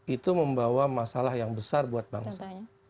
itu membawa masalah yang besar buat bangsa